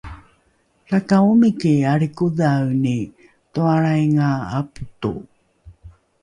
laka omiki alrikodhaeni toalreinga apoto